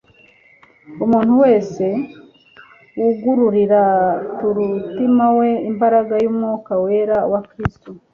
Umuntu wese wugururira turuutima we imbaraga y'Umwuka wera wa Kristo